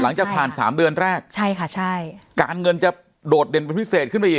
หลังจากผ่านสามเดือนแรกใช่ค่ะใช่การเงินจะโดดเด่นเป็นพิเศษขึ้นไปอีก